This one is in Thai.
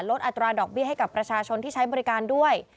อัตราดอกเบี้ยให้กับประชาชนที่ใช้บริการด้วย